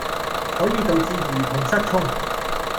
可以導致兒童失聰